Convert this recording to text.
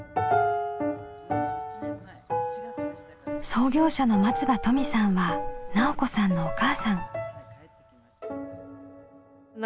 創業者の松場登美さんは奈緒子さんのおかあさん。